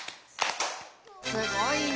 すごいね！